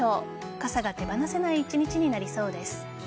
傘が手放せない一日になりそうです。